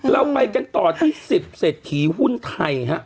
เราไปกันต่อที่๑๐เศรษฐีหุ้นไทยฮะ